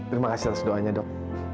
terima kasih atas doanya dok